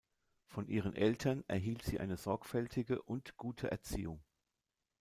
Von ihren Eltern erhielt sie eine sorgfältige und gute Erziehung.